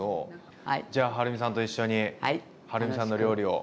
じゃあはるみさんと一緒にはるみさんの料理を。